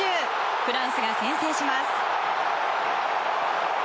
フランスが先制します。